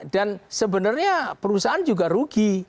dan sebenarnya perusahaan juga rugi